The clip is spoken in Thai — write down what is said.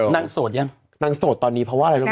นางโสดยังนางโสดตอนนี้เพราะว่าอะไรล่ะแม่